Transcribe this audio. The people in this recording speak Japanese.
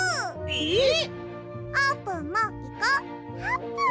えっ！